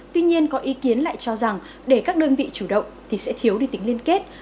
tuy nhiên có ý kiến lại cho rằng để các đơn vị chủ động thì sẽ thiếu đi tính liên kết